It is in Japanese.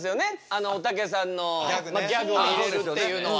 あのおたけさんのギャグを入れるっていうのは。